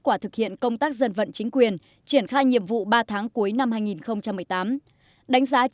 quả thực hiện công tác dân vận chính quyền triển khai nhiệm vụ ba tháng cuối năm hai nghìn một mươi tám đánh giá